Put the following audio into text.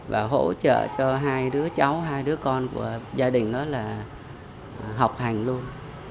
và hỗ trợ cho hai đứa cháu hai đứa con của gia đình đó là học hành luôn